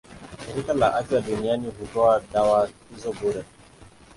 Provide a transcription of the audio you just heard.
Shirika la Afya Duniani hutoa dawa hizo bure.